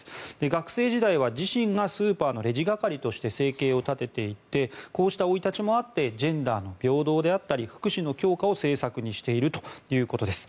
学生時代は自身がスーパーのレジ係として生計を立てていてこうした生い立ちもあってジェンダーの平等であったり福祉の強化を政策にしているということです。